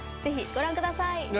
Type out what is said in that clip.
ぜひご覧ください。